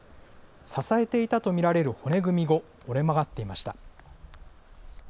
支えていたと見られる骨組みも折れ曲がっていました。